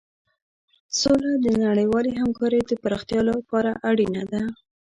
سوله د نړیوالې همکارۍ د پراختیا لپاره اړینه ده.